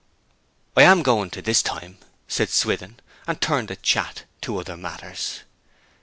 'I am going to, this time,' said Swithin, and turned the chat to other matters.